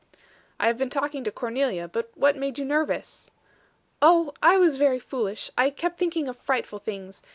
"I have been talking to Cornelia. But what made you nervous?" "Oh! I was very foolish. I kept thinking of frightful things.